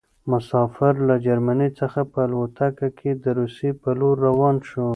مسافر له جرمني څخه په الوتکه کې د روسيې په لور روان شو.